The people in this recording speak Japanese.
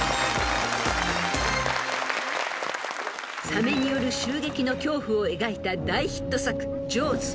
［サメによる襲撃の恐怖を描いた大ヒット作『ジョーズ』］